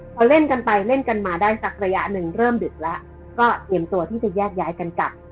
พอเล่นกันไปเล่นกันมาได้สักระยะหนึ่งเริ่มดึกแล้วก็เตรียมตัวที่จะแยกย้ายกันกลับ